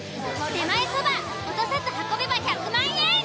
出前そば落とさず運べば１００万円！